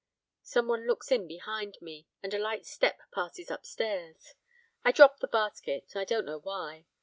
Some one looks in behind me, and a light step passes upstairs. I drop the basket, I don't know why.